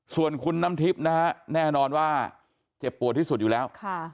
ส่วนคุณน้ำทิพย์นะฮะแน่นอนว่าเจ็บปวดที่สุดอยู่แล้ว